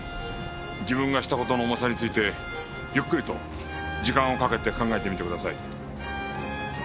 自分がした事の重さについてゆっくりと時間をかけて考えてみてください。